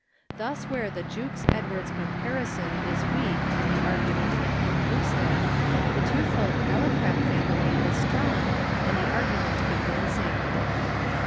Thus where the Jukes Edwards comparison is weak and the argument inconclusive, the twofold Kallikak family is strong and the argument convincing.